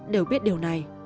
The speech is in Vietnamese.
đều biết điều này